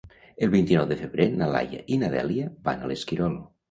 El vint-i-nou de febrer na Laia i na Dèlia van a l'Esquirol.